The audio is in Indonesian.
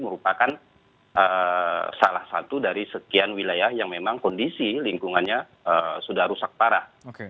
merupakan salah satu dari sekian wilayah yang memang kondisi lingkungannya sudah rusak parah